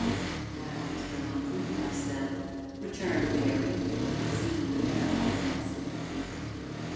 "That I dare not think myself," returned Mary, "seeing I never had a lesson."